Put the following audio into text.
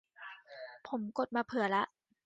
ผมกดมาเผื่อละ